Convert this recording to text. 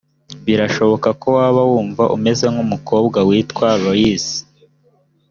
biranashoboka ko waba wumva umeze nk umukobwa witwa lois